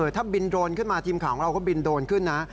ถ้าบินโดรนขึ้นมาทีมข่าวของเราก็บินโดรนขึ้นนะ